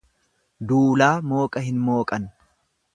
Duulaa mooqa hin mooqan.